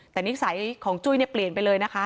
แต่นิสัยของจุ้ยเนี่ยเปลี่ยนไปเลยนะคะ